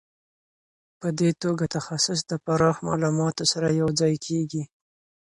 په دې توګه تخصص د پراخ معلوماتو سره یو ځای کیږي.